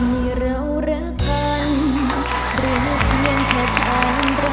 มีเรารักกันเพราะเพียงแค่ชามรักเธอ